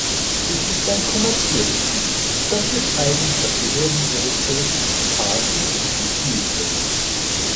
Es ist ein kommerzielles Spiel, das mit eigens dafür hergestellte Karten gespielt wird.